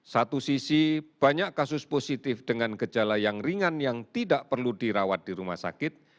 satu sisi banyak kasus positif dengan gejala yang ringan yang tidak perlu dirawat di rumah sakit